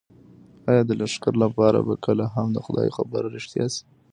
ایا د لښتې لپاره به کله هم د خدای خبره رښتیا شي؟